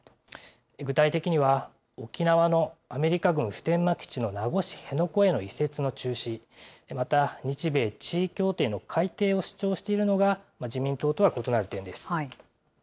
具体的には、沖縄のアメリカ軍普天間基地の名護市辺野古への移設の中止、また日米地位協定の改定を主張しているのが、自民党とは異なる点です。